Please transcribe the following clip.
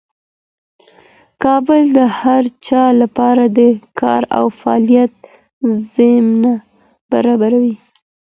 کابل د هر چا لپاره د کار او فعالیت زمینه برابروي.